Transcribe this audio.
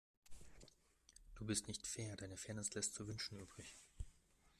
Du bist nicht fair, deine Fairness lässt zu wünschen übrig.